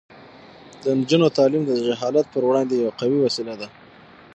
د نجونو تعلیم د جهالت پر وړاندې یوه قوي وسله ده.